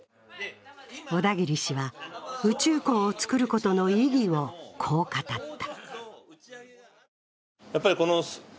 小田切氏は宇宙港を作ることの意義をこう語った。